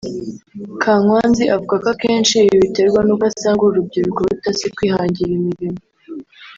Kankwanzi avuga ko akenshi ibi biterwa n’uko usanga uru rubyiruko rutazi kwihangira imirimo